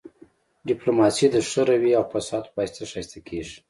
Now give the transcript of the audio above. ډیپلوماسي د ښه رويې او فصاحت په واسطه ښایسته کیږي